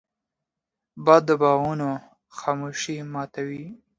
باد د باغونو خاموشي ماتوي